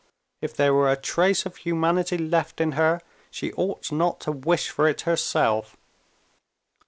If there were a trace of humanity left in her, she ought not to wish for it herself.